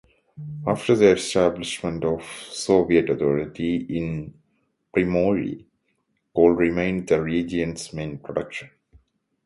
After the establishment of Soviet authority in Primorye, coal remained the region's main production.